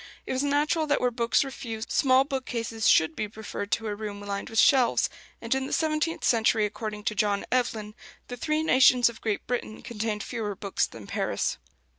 It was natural that where books were few, small bookcases should be preferred to a room lined with shelves; and in the seventeenth century, according to John Evelyn, the "three nations of Great Britain" contained fewer books than Paris.